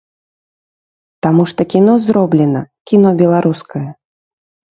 Таму што кіно зроблена, кіно беларускае.